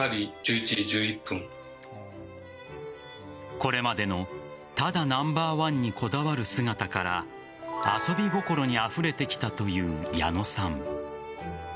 これまでのただナンバーワンにこだわる姿から遊び心にあふれてきたという矢野さん。